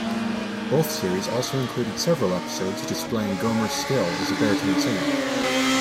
Both series also included several episodes displaying Gomer's skill as a baritone singer.